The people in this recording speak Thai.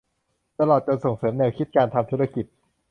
ตลอดจนส่งเสริมแนวคิดการทำธุรกิจ